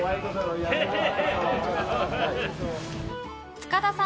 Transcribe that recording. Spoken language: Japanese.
塚田さん